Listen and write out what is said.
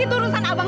itu urusan abang